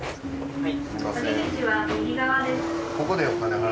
はい。